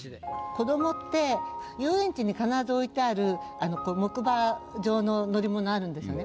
子どもって遊園地に必ず置いてある木馬状の乗り物あるんですよね。